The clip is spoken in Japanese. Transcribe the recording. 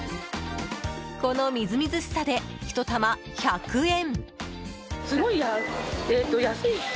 このみずみずしさで１玉１００円。